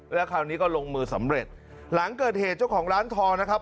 แล้วคราวนี้ก็ลงมือสำเร็จหลังเกิดเหตุเจ้าของร้านทองนะครับ